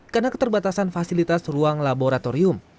karena keterbatasan fasilitas ruang laboratorium